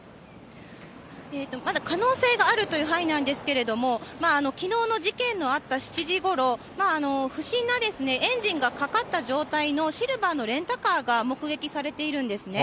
まだ可能性があるという範囲なんですけれども、きのうの事件のあった７時ごろ、不審なエンジンがかかった状態のシルバーのレンタカーが目撃されているんですね。